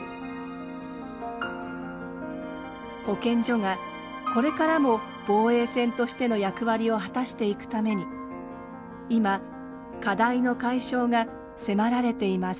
保健所がこれからも防衛線としての役割を果たしていくために今課題の解消が迫られています。